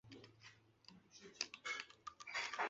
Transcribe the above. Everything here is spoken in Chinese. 巴盖希是葡萄牙布拉干萨区的一个堂区。